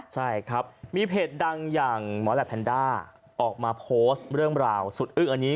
ใช่ครับมีเพจดังอย่างหมอแหลปแพนด้าออกมาโพสต์เรื่องราวสุดอึ้งอันนี้